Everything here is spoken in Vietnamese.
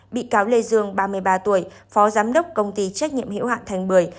bị cáo lê dương ba mươi ba tuổi phó giám đốc công ty trách nhiệm hiệu hạn thành bưởi